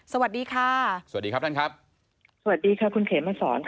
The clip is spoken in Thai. สวัสดีค่ะสวัสดีครับท่านครับสวัสดีค่ะคุณเขมมาสอนค่ะ